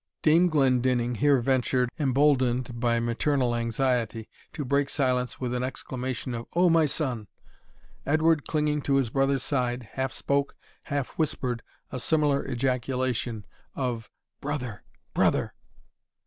Dame Glendinning here ventured, emboldened by maternal anxiety, to break silence with an exclamation of "O my son!" Edward clinging to his brother's side, half spoke, half whispered, a similar ejaculation, of "Brother! brother!"